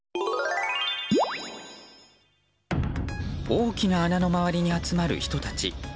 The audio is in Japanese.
大きな穴の周りに集まる人たち。